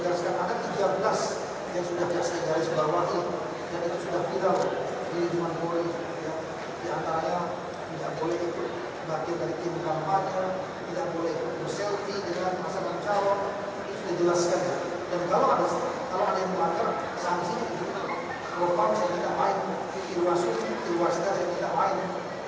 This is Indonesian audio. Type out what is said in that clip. dan kalau ada yang melakar sanksi kalau pangsa tidak lain di luar sini di luar sana tidak lain